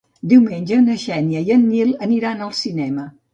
Diumenge na Xènia i en Nil aniran al cinema.